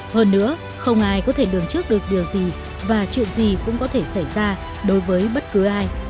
hơn nữa không ai có thể đường trước được điều gì và chuyện gì cũng có thể xảy ra đối với bất cứ ai